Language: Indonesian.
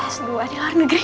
dia kelas dua di luar negeri